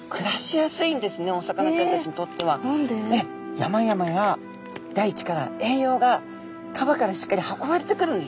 山々や大地から栄養が川からしっかり運ばれてくるんですね。